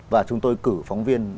và chúng tôi cử phóng viên